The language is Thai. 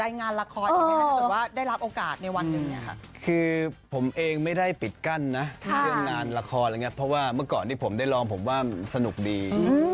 อ๋อในวันนึงเนี่ยค่ะคือผมเองไม่ได้ปิดกั้นนะนานเรียบร้อยอย่างเพราะว่าเมื่อก่อนหนึ่งที่ผมได้ลองผมว่าสนุกดี